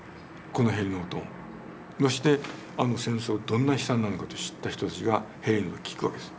このヘリの音ましてあの戦争どんな悲惨なのかと知った人たちがヘリの音聞くわけです。